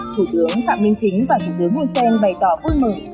thủ tướng phạm minh chính và thủ tướng hun sen bày tỏ vui mừng